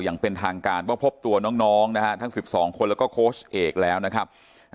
อย่างเป็นทางการว่าพบตัวน้องนะฮะทั้ง๑๒คนแล้วก็โค้ชเอกแล้วนะครับ